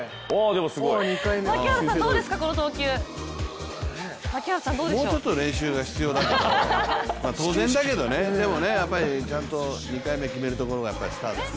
もうちょっと練習が必要だけど、まあ当然だけどねでもね、ちゃんと２回目決めるところがスターですね。